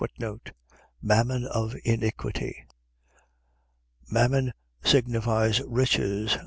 Mammon of iniquity. . .Mammon signifies riches.